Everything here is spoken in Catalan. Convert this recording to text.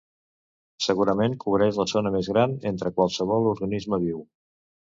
Segurament cobreix la zona més gran entre qualsevol organisme viu.